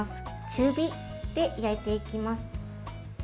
中火で焼いていきます。